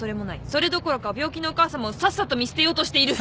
それどころか病気のお母さまをさっさと見捨てようとしている。